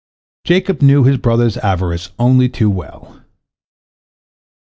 Jacob knew his brother's avarice only too well.